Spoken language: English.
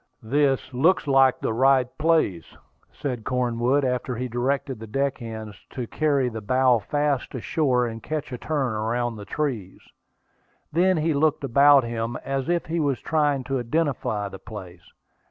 "This looks like the right place," said Cornwood, after he had directed the deck hands to carry the bow fasts ashore and catch a turn around the trees. Then he looked about him, as if he was trying to identify the place.